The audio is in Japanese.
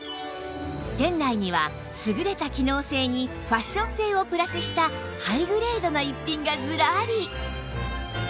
店内には優れた機能性にファッション性をプラスしたハイグレードな逸品がずらり